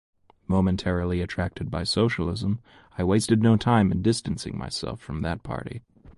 Momentarily attracted by socialism, I wasted no time in distancing myself from that party.